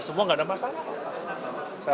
semua tidak ada masalah